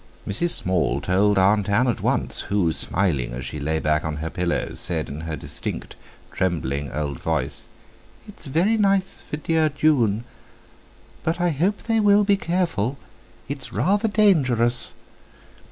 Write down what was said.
Mrs. Small told Aunt Ann at once, who, smiling as she lay back on her pillows, said in her distinct, trembling old voice: "It's very nice for dear June; but I hope they will be careful—it's rather dangerous!"